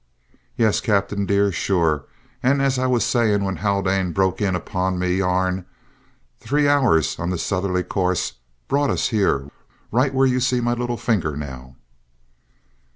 Yes, cap'en, dear, sure, an' as I was a saying when Haldane broke in upon me yarn, thray hours on this southerly course brought us here right where ye see me little finger, now!"